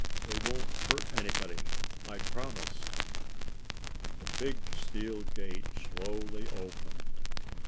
They won't hurt anybody. I promise." The big steel gate slowly opened.